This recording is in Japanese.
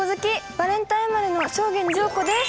バレンタイン生まれの正源司陽子です。